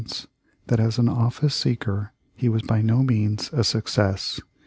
ance that as an office seeker he was by no means a success.